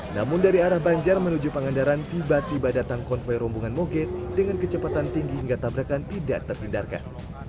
namun dari arah banjar menuju pangandaran tiba tiba datang konvoy rombongan moge dengan kecepatan tinggi hingga tabrakan tidak tertindarkan